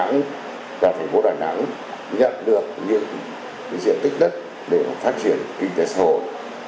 nhận được những diện tích đất để phát triển kinh tế xã hội